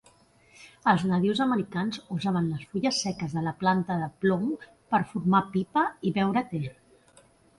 Els nadius americans usaven les fulles seques de la planta de plom per fumar pipa i beure te.